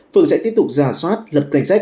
phường sẽ tiếp tục ra soát lập danh sách